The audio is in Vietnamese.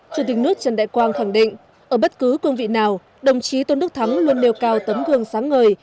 chủ tịch nước trần đại quang khẳng định ở bất cứ cương vị nào đồng chí tôn đức thắng luôn nêu cao tấm gương sáng ngời